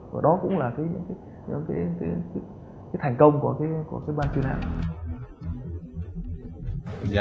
và đó cũng là thành công của ba chuyên hàng